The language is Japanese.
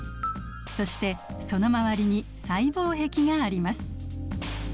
そしてその周りに細胞壁があります。